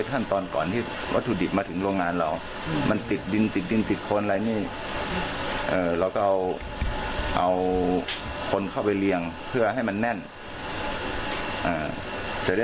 ตัดแต่งขวาให้สะอาด